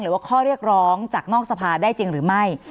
หรือว่าข้อเรียกร้องจากนอกสภาได้จริงหรือไม่